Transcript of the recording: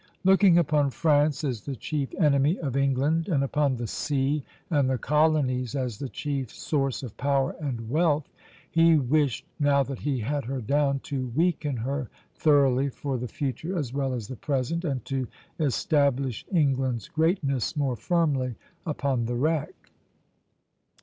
Looking upon France as the chief enemy of England, and upon the sea and the colonies as the chief source of power and wealth, he wished, now that he had her down, to weaken her thoroughly for the future as well as the present, and to establish England's greatness more firmly upon the wreck.